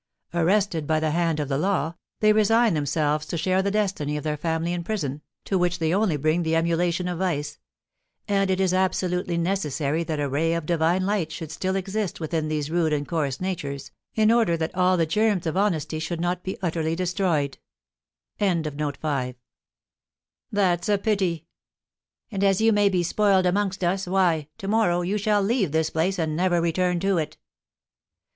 Arrested by the hand of the law, they resign themselves to share the destiny of their family in prison, to which they only bring the emulation of vice; and it is absolutely necessary that a ray of divine light should still exist within these rude and coarse natures, in order that all the germs of honesty should not be utterly destroyed." "That's a pity!" "And as you may be spoiled amongst us, why, to morrow you shall leave this place, and never return to it."